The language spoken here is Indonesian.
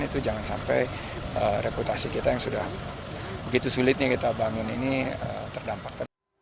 itu jangan sampai reputasi kita yang sudah begitu sulitnya kita bangun ini terdampak